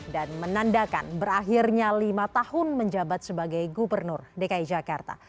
dan menandakan berakhirnya lima tahun menjabat sebagai gubernur dki jakarta